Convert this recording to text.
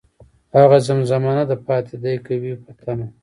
هغه زمزمه نه ده پاتې، ،دی که وي په تمه